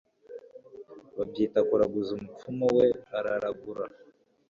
babyita kuraguza, umupfumu we araragura